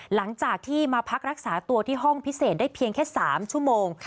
หลังจากที่มาพักรักษาตัวที่ห้องพิเศษได้เพียงแค่๓ชั่วโมง